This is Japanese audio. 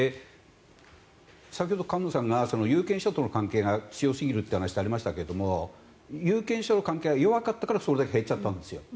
先ほど菅野さんが有権者との関係が強すぎるというお話をされましたが有権者との関係が弱かったからそれだけ減っちゃったんです。